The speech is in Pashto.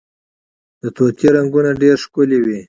د طوطي رنګونه ډیر ښکلي وي